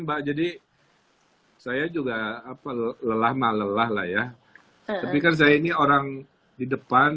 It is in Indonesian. mbak jadi saya juga apa lelah mah lelah lah ya tapi kan saya ini orang di depan